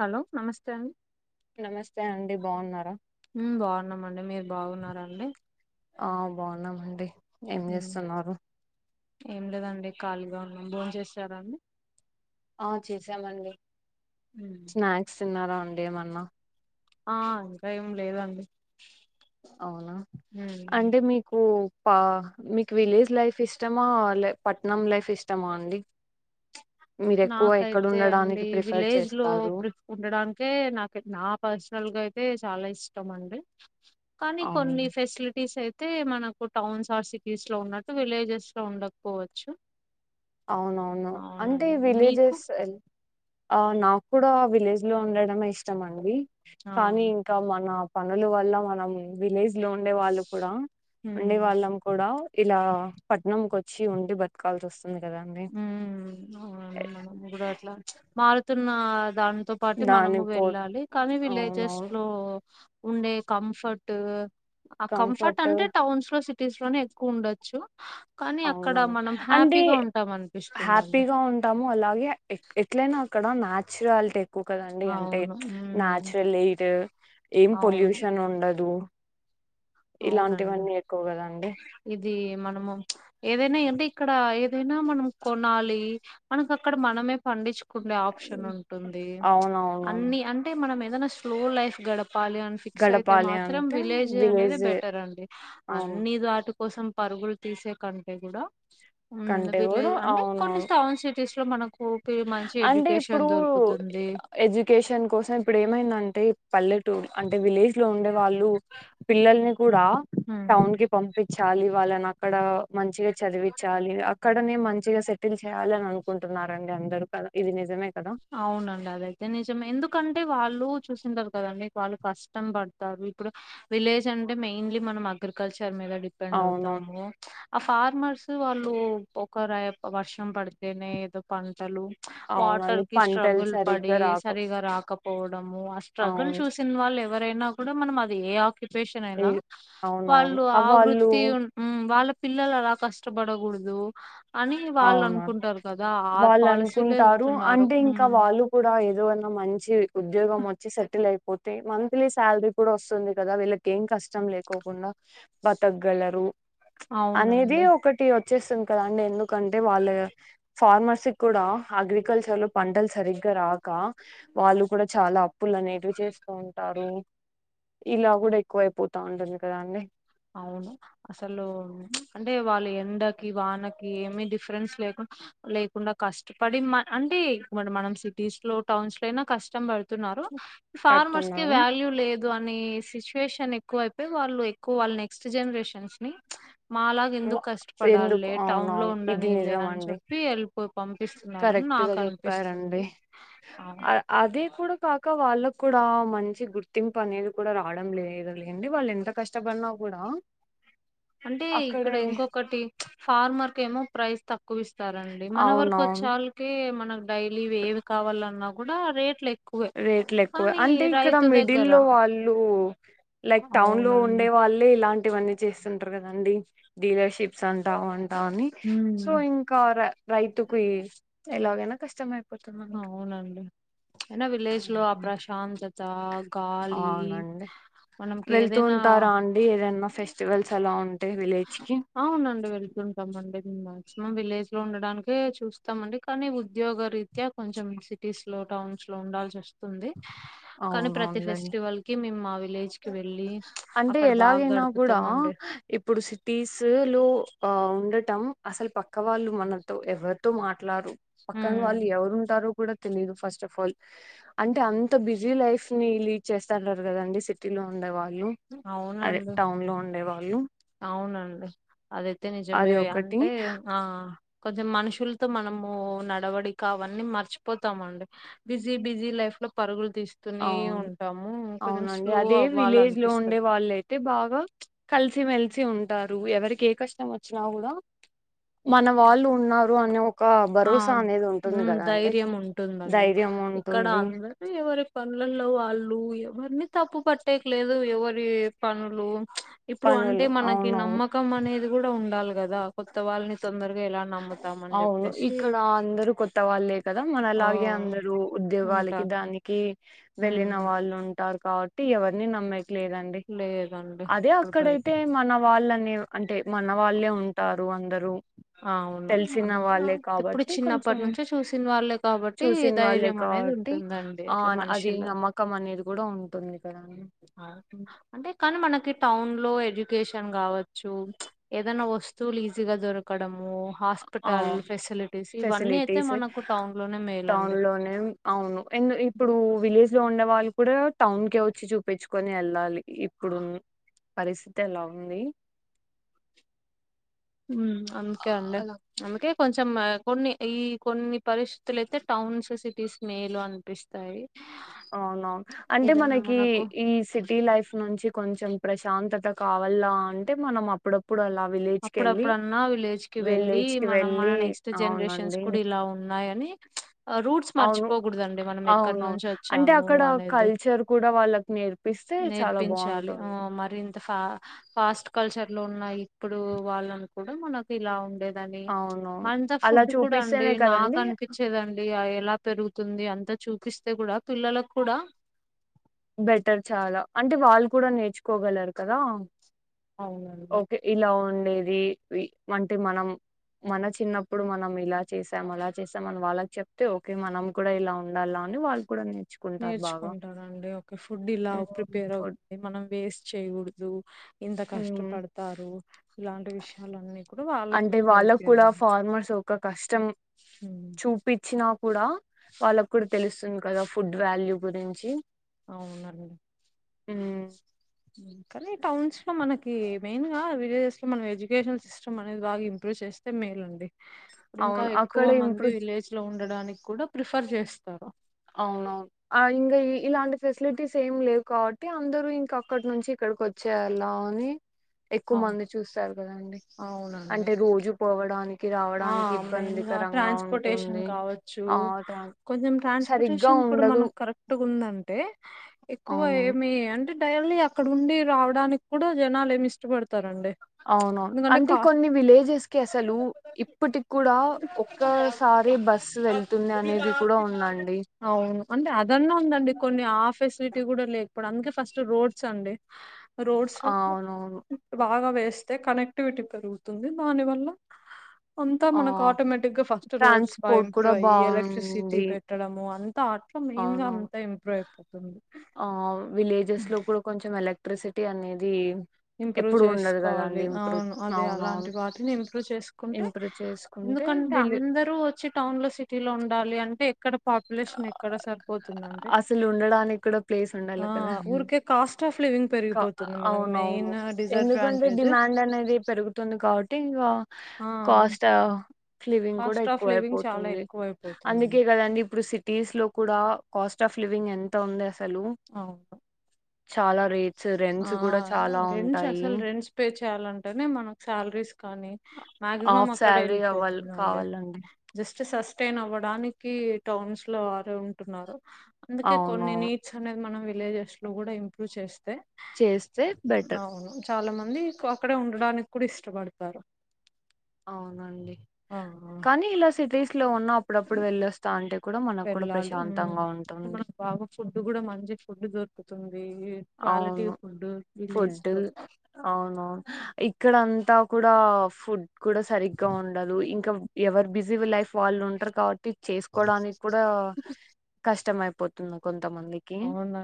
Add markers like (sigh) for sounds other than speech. Hello నమస్తే అండి నమస్తే అండి బావున్నర హ్మ్ బావున్నామండి మీరు బాగున్నార అండి అ బావున్నామండి ఏం ఉమ్ జేస్తున్నారు ఏం లేదండి ఖాళీగా ఉన్నాం భోన్ చేశారా అండి అ చేసమండి ఉమ్. స్నాక్స్ తిన్నార అం ఎమన్నా అ ఇంకా ఏం లేదండి అవున ఉమ్ అంటే మీకు పా మీక్ విలేజ్ లైఫ్ ఇష్టమా లే పట్నం లైఫ్ ఇష్టమా అండి మీరు ఎక్కువ ఎక్కడ నాకైతే అండి ఉండడానికి ప్రిఫర్ విలేజ్ లో చేస్తారు ప్రిఫ్ ఉండడానికే నాక నా పర్సనల్ గా అయితే చాల ఇష్టం అండి కానీ అవును కొన్ని ఫెసిలిటీస్ అయి తే మనకు టౌన్స్ ఆర్ సిటీస్ లో ఉన్నట్టు విలేజెస్ లో ఉండక్పోవచ్చు అవునవును అంటే ఇప్ మీకు విలేజెస్ ఎల్ ఆ నాక్ కూడా విలేజ్ లో ఉండడమే ఇష్టం అండి ఆ కానీ ఇంక మన పనులు వల్ల మనం విలేజ్ లో ఉండే వాళ్ళు కుడా ఉండే ఉమ్ వాళ్ళం కుడా ఇలా పట్నం కొచ్చి ఉండి బత్కాల్స్ ఒస్ ఊ (unintelligible) ఇబ్బుడు ఎట్ల మారుతున్నా దాంతో పాటు దాని మనము పో వెళ్ళాలి కానీ విలేజెస్ అవునవును లో ఉండే కంఫర్టు ఆ కంఫర్ట్ అంటే టౌన్స్ లో సిట్ టీస్ లోనే ఎక్కువ్ ఉండచ్చు కానీ అక్కడ అవునవును మనం అంటే హ్యాపీగా ఉన్ హ్యాపీగా ఉంటాము అలాగే ఏ ఎట్లైనా అక్కడ ఆ న్యాచ్రాల్టీ కు కదండి అంటే అవును ఉమ్ న్యాచురల్ ఎయిట్ ఏం అవును పొల్యూషన్ ఉండదు ఇలాంటి వన్నీ ఎక్కువ కదా అండి దీ మనము ఏదైన అంటే ఇక్కడ ఏదైనా మనం కొనాలి మనక్ అక్కడ మనమే పండించ్కుండే ఆప్షన్ ఉంటుంది అవునవును అన్ని అంటే మనం ఎక్ ఏదన్న స్లో లైఫ్ గడప్ పాలి అన్ ఫిక్స్ అయితే గడపాలి మాత్రం అంటే విలేజే అనెదే విలేజ్ బెటర్ అండి అవును అన్ని దాటుక్ కోసం పరుగులు తీసే కంటే గుడా ఉమ్ కంటే కూడా విలేజ్ అంటే కొన్ని అవునవును స్టావ్న్ సిట్ టీస్లో మనక్ అంటే ఇప్పుడూ ఎడ్యుకేషన్ కోసం ఇప్పుడు ఏమైంది అంటే పల్లెటూర్ అంటే విలేజ్ ట్లో ఉండె వాళ్ళు పిల్లల్ని కూడా ఉమ్ టౌన్ కి పొంపిచాలి వాళ్ళన్ అక్కడా మంచిగ చదివిచ్చాలి అక్కడ్ కానీ మంచిగ సెటిల్ చేయాలని అనుకుంటున్నారండి అంతే డు ఇది నిజమే కదా అవునండి అదైతే నిజమె ఎందుకంటే వాళ్ళు నువ్వు చూసిన తరువాత వాళ్ళు కష్టం పడారు ఇప్పుడు విలేజ్ అంటే మెయిన్లీ మ అగ్రికల్చర్ ర్ మీద డిపెండ్ అవును అవుతాము ఆ ఫార్మర్స్ వాళ్ళు ఒక రె వర్షం పడితేనే ఏదో పంటలు అవునండి ఇ పంటలు స్ట్రగుల్ పడి సరిగ్గా రాక సరిగా రాకపోవడము ఆ స్ట్రగుల్ అవును చూసిన వాళ్ళు ఎవరైనా కూడా మనం అది ఏ ఆకిట్ రెషన్ అయినా ఈ- అవునవును వాళ్ళు ఆ వాళ్ళు వృత్తి ఉ వాళ్ళ పిల్లలు అలా కష్ట కష్ట బడగుడదు అని వాళ్ళు అవునా అనుకుంటారు కదా ఆ వాళ్ళు పాలసీలే అనుకుంటారు ఎల్తున్నారు అంటే ఇంకా వాళ్ళు కూడా ఏదు వన్న మంచి ఉద్యోంచి సెటిలయిపో అే మంత్లీ శాలరీ కూడా వస్తుంది కదా వీళ్ళకి ఏం కష్టం లేకోకుండా బతకగలరు అనేది అవునండి ఒకటి వ చ్చేసాం కదాండి ఎందుకు కంటే వాళ్ళ ఫార్మర్సీ కూడా అగ్రికల్చర్ లో పంటలు సరిగ్గా రాక వాళ్ళు కూడా చాలా అప్పులనేవి చేస్తూ ఉంటారు ఇలా కూడా అవ్- ఎక్కువ అయిపోతు గా ఉంటుంది కదా అండి అవును అసలు అంటే వాళ్ళు ఎండకి వానకి ఏమి డిఫరెన్స్ లేకు లేకుండా కష్టపడి అంటే మనం సిటీస్ లో టౌన్స్ లో అయినా కష్టం పడ తున్నారు ఫార్మర్స్ కి కడుతున్నారు వాల్యూ లేదు ద్దు అని సిచ్యుయేషన్ ఎక్కువ అయిపోయి వాళ్ళు వాళ్నెక్స్ట్ జనరేషన్స్ ని మాలాగ ఎందుకు వ- ఎందుకు కష్టపడాల్లే టౌన్ లో అవునవును ఉండనిలే అని చెప్పి వెళ్ళిపో కరెక్ట్గా చెప్పారండి అవును. అదే కూడా కాక వాళ్ళకు కూడా మంచి గుర్తింపు అనేది కూడా రావడం లేదు లేండి వాళ్ళు ఎంత కష్టపడినా కూడా అంటే ఇక్కడ అక్కడే ఇంకొకటి ఫార్మర్కి ఏమో ప్రైస్ తక్కు క్కువవిస్తారండి మన వరకు వచ్చే అవునవును వాళ్ళకిే మన డైలీవి ఏవీ కావాలన్నా కూడా రేట్లై రేట్లు ఎక్కువ అంటే ఇక్కడ మిడిల్ దగ్గర లో వాళ్ళు లైక్ టౌన్ లో అవునండి ఉండే వాళ్ళే ఇలాన్ టి ఇవన్నీ చేస్తుంటారు కదండి డీలర్షిప్స్ అంటా అని సో ఉమ్ ఇంకా ర రైతుకి ఎలాగైనా కష్టమే అవునండి అయ్నా విలేజ్ లో ఆ ప్రశాంతత గాలి అవునండి మనమ్ వెళ్తూ కేదైనా ఉంటారా అండి ఏదైనా ఫెస్టివల్స్ అలా ఉంటె విలేజ్ కి అవునండి వెళ్తుంటామ్ అండిమా మం విలేజ్ లో ఉండడానికే చూస్తామండి కానీ ఉద్యోగ రీత్యా కొంచెం సిటీస్ లో టౌన్స్ లో ఉండాల్సి వస్తుంది ఉంది కానీ ప్రతి అవునవునులేండి ఫెస్టివల్ కి మేమ్ మావి అంటే ఎలాగైనా కూడా గడుపుతామండి ఇప్పుడు సిటీస్ సు లు ఆ ఉండటం అసలు పక్క వాళ్ళు మనతో ఎవరితో మాట్ ట్లారు పక్కన ఉమ్ వాళ్ళు ఎవరు ఉంటారు కూడా తెలిదు ఫస్ట్ ఆఫ్ ఆల్ అంటే అంత బిజీ లైఫ్ ని లీడ్ చేస్తంటారు కదండి సిట్ టీలో ఉండేవారు అవునండి వాళ్ళు అవునండి అదైతే అది నిజమేవి ఒకటి అంటే ఆ కొంచెం మనుషుల్తో మనము నడవడిక అవన్నీ మర్చిపోతామండి బిజీ బిజీ లైఫ్ లో పరుగులు ఇస్తూనే అవును ఉంటాము కొంచెం అవునండి స్లో అదే అవ్వాలన్ విలేజ్ లో ఉండే వాళ్ అయితే బాగా కలిప్ ల్సి మెల్సి ఉంటారు ఎవరికి ఏ కష్టం వచ్చినా కూడా మన వాళ్ళు ఉన్నారు అనే ఒక్ ఆ ఉమ్ ధైర్యం ఉంటుంది అండీ ధైర్యం ఇక్కడ ఉంటుంది అందరి ఎవరీ పనులల్లో వాళ్ళు ఎవరిని తప్పు పట్టేకి లేదు ఎవరి పనులు ఇప్పుడు అంటే పనులు మనకి అవునవును నమ్మకం అనేది కూడా ఉండాలి కదా కొత్త వాళ్ళని తొందర్ గా ఎలా నమ్ముతామని చెప్ అవును ఇక్కడ అందరు కొత్త వాళ్ళే కదా మన ఆ లాగే అందరు ఉద్యోగాలకి ఉంటారు దానికి ఉమ్ వెళ్ళిన వాళ్ళు ఉం టారు కాబట్టి ఎవరిని నమ్మే క్ లేదండి లేదండి అదే ఇప్పుడు బయట అక్కడైతే మన వాళ్ళన్ నీవు అంటే మన వాళ్ళే ఉంటార్ ఉ అందరూ ఆ, అవును తెలిసిన అంతా వాళ్ళే ఇప్పుడు కాబట్టి కొంచెం చిన్నప్పటి నుంచే చూసిన వాళ్ళే కాబట్టి చూసిన వాళ్ళే ధైర్యం అనేది కాబట్టి ఉంటుందండి ఆ అట్లా అది మనుషులు నమ్మకం అనేది కూడా ఉంటుంది. కదండి అంటే కానీ మనకి టౌన్ లో ఎడ్యుకేషన్ కావచ్చు ఏదైనా వస్తువులు ఈజీ గా దొరకడం. ఇవన్నీ అయితే ఫెసిలిటీస్ మనకు టౌన్ లోనే టౌన్ మేలండి లోనే అవును ఇప్పుడు విలేజ్. లో ఉండే వాళ్ళు కూడా టౌన్ కె వచ్చి చూపించుకొని వెళ్ళాలి. ఇప్పుడు పరిస్థితి ఎలా ఉంది ఆ, అందుకే అండి అలా అందుకే కొంచెం కొన్ని ఈ కొన్ని పరిస్థితులు అయితే టౌన్స్ సిటీస్ మేలు అనిపిస్తాయి. అవునవు అంటే ఏదైనా మనకి మనకు ఈ సిటీ లైఫ్ నుంచి కొంచెం ప్రశాంతత కావాల అంటే మనం అప్పుడ అప్పుడప్పుడన్నా విలేజ్ కి వెళ్ళి విలేజ్ కి మనం మన వెళ్ళి నెక్స్ట్ జనరేషన్స్ అవునండి కూడా ఇలా ఉన్నాయని. (unintelligible) రూట్స్ అవును మర్చిపోకూడదండి మనం ఎక్కడి అవునవును నుంచి అంటే వచ్చాము అక్కడ అనేది కల్చర్ కూడా వాళ్ళకి నేర్పిస్తే చాలా నేర్పించాలి బాగుంటుంది మరి ఇంత ఫ ఫాస్ట్ కల్చర్లోనయీ. ఇప్పుడు వాళ్ళని కూడా మనకు ఇలా ఉండేది అని అవునవును మంతా అలా ఫుడ్ కూడా అండి చూపిస్తేనే నాకు కదండి అనిపించేదండి ఎలా పెరుగుతు. తుంది అంతా చూపిస్తే కూడా పిల్లలక కూడా బెటర్ చాలా అంటే వాళ్ళు కూడా నేర్చుకోగలరు కదా. అవునండి ఓకే ఇలా ఉం ది అంటే మనం మన చిన్నప్పుడు మనం ఇలా చేసాం అలా చేసాం మన వాళ్ళకి చెప్తే ఓకే మనం కూడా ఇలా ఉండాలా అని వాళ్ళు కూడా నేర్. నేర్చుకుంటారండి ఓకే ఫుడ్ ఇలా హ్మ్. ప్రిపేర్ ఫుడ్ అవుతుంది మనం వేస్ట్ చేయ్యకూడదు. జూ ఇంత హ్మ్. కష్టపడతారు ఇలాంటి విషయాలన్నీ కూడా వాళ్ళ అంటే కూడా వాళ్ళకి కూడా నేర్పయాలండి. ఫార్మర్స్ ఒక కష్టం చూపిచ్చినా ఉం కదా ఫుడ్ వాల్యూ గురించి అవునండి ఉ కానీ టౌన్స్ లో మనకి మెయిన్ గా విలేజెస్ లో మన ఎడ్యుకేషన్ సిస్టమ్ అనేది బాగా ఇంప్రూవ్ చేస్తే మేల్ అండి. ఇంకా అవును. ఎక్కువ అక్కడ మంది ఇంప్రూవ్ విలేజ్ లో ఉండడానికి. కూడా ప్రిఫర్ చేస్తారూ అవునవును ఇంకా ఇలాంటి ఫెసిలిటీస్ ఏం లేవు కాబట్టి అందరుూ ఇంకా అక్కడి నుంచి ఇక్కడికి వచ్చేళ్లా అని. ఎక్కువ అవును మంది చూస్తారు కదాండి అవునండి అంటే రోజు పోవడానికి. ఆ రావడానికి మెయిన్ గా ఇబ్బందికరంగా ట్రాన్స్పోర్టేషన్ ఉంటుంది. కావచ్చు ఆ! ట్రాన్ కొంచెం సరిగ్గా టేషన్ కూడా ఉండదు. మన కరెక్ట్ ఉందంటే ఎక్కువ అవునవును. ఏమి అంటే డైలీ అక్కడ ఉండి రావడానికి కూడా జనాలు ఏమి ఇష్టపడతారండి. అవునవును ఎందుకంటే అంటే కా కొన్ని విలేజెస్ కి అసలు ఇప్పటి కూడా ఒక్కసారి బస్సు వెళ్తుంది అనేది కూడా ఉందండి. ను అంటే అద్ అదన్న ఉందండి కొన్ని ఆ ఫెసిలిటీ కూడా లేదు. ఇప్పుడు అందుకే ఫస్ట్ రోడ్స్ అండి. రోడ్స్ అవునవును. బాగా వేస్ ఏస్తే కనెక్టివిటీ పెరుగుతుంది దాని వల్ల అంతా ఆ! మనకు ఆటోమేటిక్ గా ఫస్ట్ రోడ్స్ బాగా ట్రాన్స్‌పోర్ట్ కూడా ఇంప్రూవ్ అయి ఎలక్ట్రిసిటీ బావుంది. పెట్టడము అంతా మెయిన్ గా అంతా ఇంప్రూవ్ అయిపోతుంది. అవ్ విలేజెస్ లో కూడా కొంచెం ఎలక్ ట్రిసిటీ అనేది ఇంప్రూవ్ ఎప్పుడు ఉండదు కదండి చేసుకోవాలి ఇంప్రూవ్ అవును అదే అవునవును అలాంటి వాటిని ఇంప్రూవ్ చేసుకుంటే, ఇంప్రూవ్ చేసుకుంటే ఎందుకంటే వీళ్ళు అందరూ వచ్చి టౌన్ లో సిటీ లో ఉండాలి అంటే ఇక్కడ పాపులేషన్ ఎక్కడ సరిపోతుందండి. అసలు ఉండడానికి కూడా ప్లేస్ ఉండాలి ఆ కదండి ఊరికే కాస్ట్ ఆఫ్ లివింగ్ కా పెరిగిపోతుంది మనం ఎందుకంటే డిమాండ్ అనేది పెరుగుతుంది కాబట్టి ఇంగా ఆ కాస్టా లివింగ్ కూడా కాస్ట్ ఆఫ్ ఎక్కువ లివింగ్ చాలా అయిపోతుంది ఎక్కువ అయిపోతుందండి అందుకే కదండి ఇప్పుడు సిటీస్ లో కూడా కాస్ట్ ఆఫ్ లివింగ్ ఎంత ఉంది అస అవును రేట్స్ ఆ రెంట్స్ కూడా చాలా రెంట్స్ ఉంటాయి అసలు రెంట్స్ పే చేయాలంటేనే మనకు సాలరీస్ కానీ మాక్సిమం హాఫ్ అక్కడే శాలరీ అవ్వాలి వెళ్ళిపోతుందండి. కావాలండి జస్ట్ జస్ట్ సస్టైన్ అవ్వడానికి టౌన్స్ లో వారు ఉంటున్నారు. అందుకే కొన్ని అవునవును నిట్ అనేది మనం విలేజెస్ లో కూడా ఇంప్రూవ్ చేస్ చేస్తే బెటర్ చాలా మంది అక్కడే ఉండడానికి కూడా ఇష్టపడతారు. అవునండి ఆ కానీ ఇలా సిటీస్ లో ఉన్న అప్పుడప్పుడు వెళ్ళోస్తాంటే వెళ్ళాలి ఉమ్ అంటే మనం బాగా ఫుడ్ కూడా మంచి ఫుడ్ దొరు కుతుం అవును విలేజ్ ఫుడ్ లో అవునవును ఇక్కడం అంతా కూడా ఫుడ్ కూడా సరిగ్గా ఉండదు ఇంకా ఎవరు బిజీ లైఫ్ వాళ్ళు ఉంటరు కాబ ట్టి చేసుకోవడానికి కూడా కష్టం అయిపో పొతుంది కొం కొంతమందికి అవును